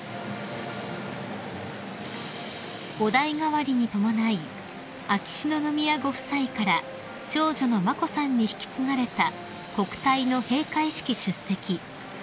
［お代替わりに伴い秋篠宮ご夫妻から長女の眞子さんに引き継がれた国体の閉会式出席］